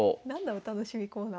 「お楽しみコーナー」。